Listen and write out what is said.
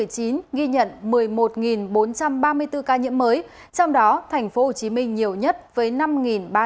ghi nhận một mươi một bốn trăm ba mươi bốn ca nhiễm mới trong đó tp hcm nhiều nhất với năm ba trăm tám mươi sáu ca